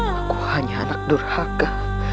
aku hanya anak durhaka